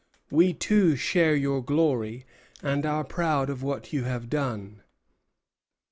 We too share your glory, and are proud of what you have done."